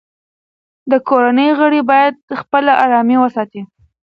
د کورنۍ غړي باید خپله ارامي وساتي.